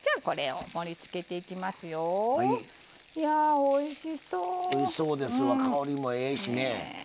おいしそうですわ香りもええしね。